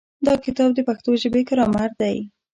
دا کتاب د پښتو ژبې ګرامر دی.